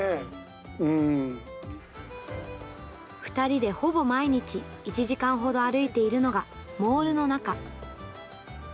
２人でほぼ毎日、１時間ほど歩いているのが、モールの中。